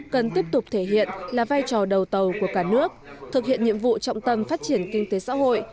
cần tiếp tục thể hiện là vai trò đầu tàu của cả nước thực hiện nhiệm vụ trọng tâm phát triển kinh tế xã hội